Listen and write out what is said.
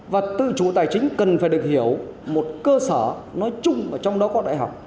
và tự chủ tài chính cần phải được hiểu một cơ sở nói chung và trong đó có đại học